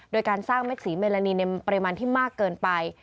โดยการสร้างเม็ดสีเมลานีในปริมาณที่มากเกินไป